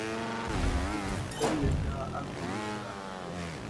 Ndat i vi semiyetta a golozira.